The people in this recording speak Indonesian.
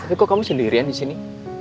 tapi kok kamu sendirian disini